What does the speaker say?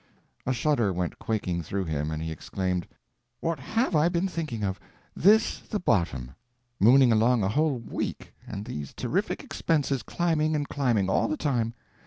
A shudder went quaking through him, and he exclaimed: "What have I been thinking of! This the bottom! Mooning along a whole week, and these terrific expenses climbing and climbing all the time!